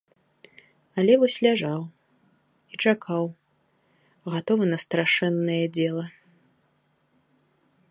Але вось ляжаў і чакаў, гатовы на страшэннае дзела.